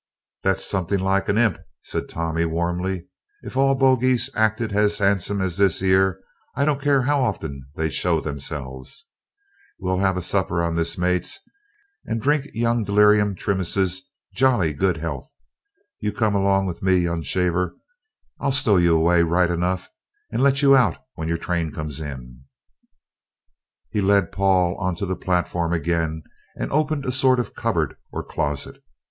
"That's something like a imp," said Tommy warmly; "if all bogeys acted as 'andsome as this 'ere, I don't care how often they shows theirselves. We'll have a supper on this, mates, and drink young Delirium Trimminses' jolly good 'ealth. You come along o' me, young shaver, I'll stow you away right enough, and let you out when yer train comes in." He led Paul on to the platform again and opened a sort of cupboard or closet.